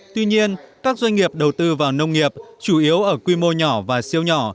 tuy nhiên các doanh nghiệp đầu tư vào nông nghiệp chủ yếu ở quy mô nhỏ và siêu nhỏ